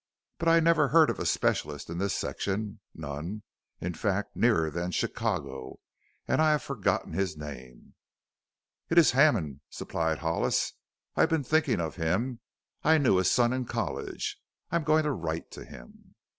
But I never heard of a specialist in this section none, in fact, nearer than Chicago. And I've forgotten his name." "It is Hammond," supplied Hollis. "I've been thinking of him. I knew his son in college. I am going to write to him."